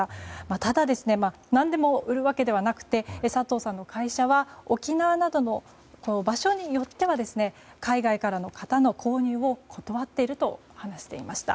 ただ、何でも売るわけではなくて佐藤さんの会社は沖縄など場所によっては海外からの方の購入を断っていると話していました。